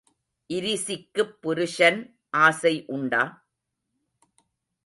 இரிசிக்குப் புருஷன் ஆசை உண்டா?